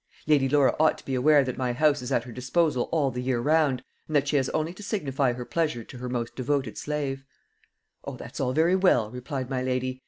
"Lady Laura ought to be aware that my house is at her disposal all the year round, and that she has only to signify her pleasure to her most devoted slave." "O, that's all very well." replied my lady.